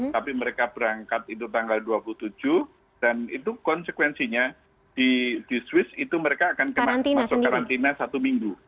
tapi mereka berangkat itu tanggal dua puluh tujuh dan itu konsekuensinya di swiss itu mereka akan kena masuk karantina satu minggu